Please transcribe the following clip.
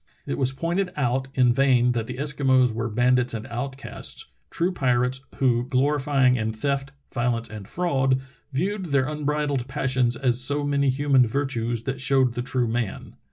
It was pointed out in vain that the Eskimos were bandits and outcasts — true pirates who, glorying in theft, violence, and fraud, viewed their unbridled passions as so many human virtues that showed the true man (Inuit).